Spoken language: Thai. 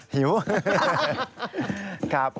หิวครับโอ้โอ้โอ้โอ้โอ้โอ้โอ้โอ้โอ้โอ้